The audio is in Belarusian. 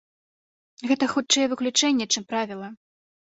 Гэта хутчэй выключэнне, чым правіла.